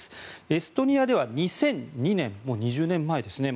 エストニアでは２００２年もう２０年前ですね